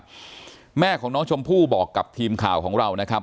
แม่ของน้องชมพู่บอกกับทีมข่าวของเรานะครับ